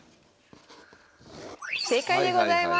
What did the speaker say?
正解でございます。